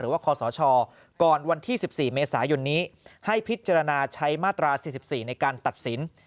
คศก่อนวันที่๑๔เมษายนนี้ให้พิจารณาใช้มาตรา๔๔ในการตัดสิน